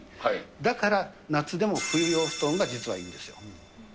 だから、夏でも冬用布団が実はいはー。